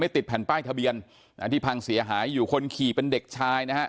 ติดแผ่นป้ายทะเบียนที่พังเสียหายอยู่คนขี่เป็นเด็กชายนะฮะ